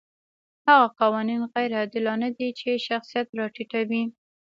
هغه قوانین غیر عادلانه دي چې شخصیت راټیټوي.